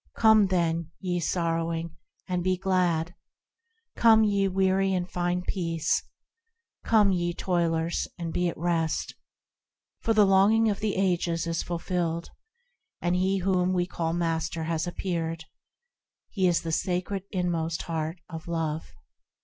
Come, then, ye sorrowing, and be glad ! Come, ye weary, and find peace ! Come, ye toilers, and be at rest ! For the longing of the ages is fulfilled, And He whom we call Master has appeared :– He is the sacred inmost heart of Love.